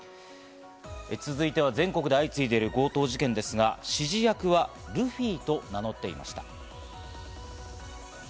続いては全国で相次いでいる強盗事件ですが、指示役はルフィと名乗っていました。